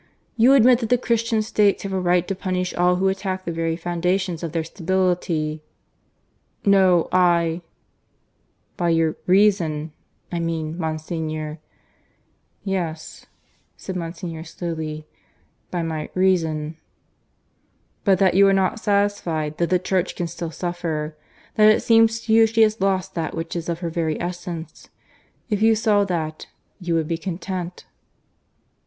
You admit that the Christian States have a right to punish all who attack the very foundations of their stability " "No I " "By your reason, I mean, Monsignor." "Yes," said Monsignor slowly. "By my reason." "But that you are not satisfied that the Church can still suffer; that it seems to you she has lost that which is of her very essence. If you saw that, you would be content."